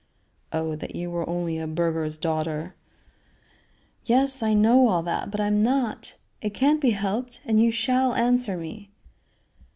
"Oh, that you were only a burgher's daughter." "Yes, I know all that; but I am not. It can't be helped, and you shall answer me."